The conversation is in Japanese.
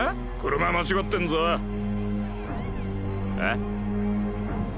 車間違ってんぞえっ？